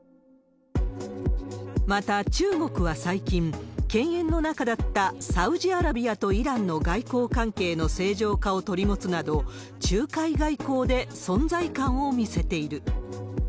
また、中国は最近、犬猿の仲だったサウジアラビアとイランの外交関係の正常化を取り持つなど、仲介外交で存在感を見せている。